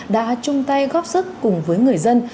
đã chung tay góp sức cùng với người dân